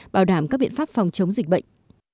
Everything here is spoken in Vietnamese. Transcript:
bảo đảm các biện pháp phòng chống dịch bệnh